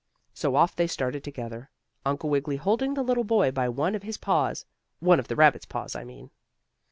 So off they started together, Uncle Wiggily holding the little boy by one of his paws one of the rabbit's paws, I mean.